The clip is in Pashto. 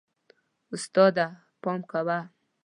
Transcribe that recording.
استاده، پام کوه.